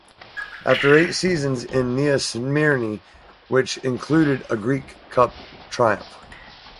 After eight seasons in Nea Smyrni, which included a Greek Cup triumph.